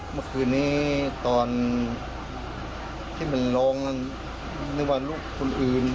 เมื่อคืนนี้ตอนที่มันร้องนึกว่าลูกคนอื่น